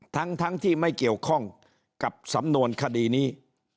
ทั้งที่ไม่เกี่ยวข้องกับสำนวนคดีนี้